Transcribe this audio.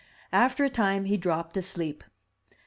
After a time he dropped asleep.